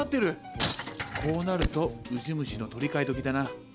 こうなるとウジ虫の取り替えどきだな。